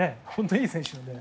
いい選手なので。